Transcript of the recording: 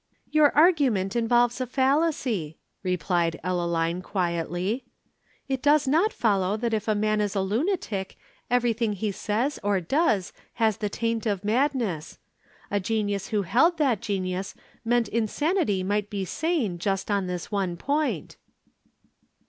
"Your argument involves a fallacy," replied Ellaline quietly. "It does not follow that if a man is a lunatic everything he says or does has the taint of madness. A genius who held that genius meant insanity might be sane just on this one point."